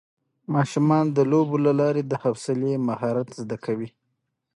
ماشومان د لوبو له لارې د حوصلې مهارت زده کوي